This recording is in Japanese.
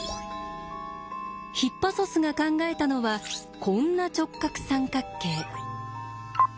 ヒッパソスが考えたのはこんな直角三角形。